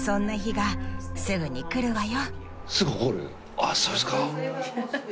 あっそうですか。